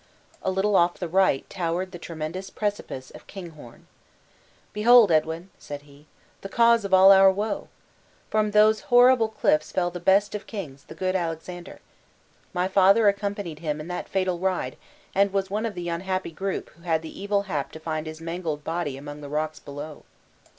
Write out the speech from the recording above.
A little of the right towered the tremendous precipice of Kinghorn. "Behold, Edwin," said he, "the cause of all our woe! From those horrible cliffs fell the best of kings, the good Alexander. My father accompanied him in that fatal ride, and was one of the unhappy group who had the evil hap to find his mangled body among the rocks below."